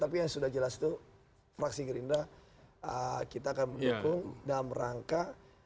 tapi yang sudah jelas itu fraksi gerindra kita akan mendukung dalam rangka